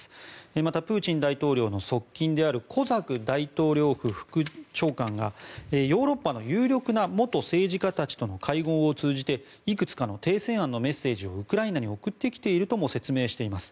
またプーチン大統領の側近であるコザク大統領府副長官がヨーロッパの有力な元政治家たちとの会合を通じていくつかの停戦案のメッセージをウクライナに送ってきているとも説明しています。